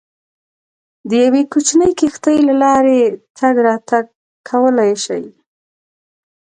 د یوې کوچنۍ کښتۍ له لارې تګ راتګ کولای شي.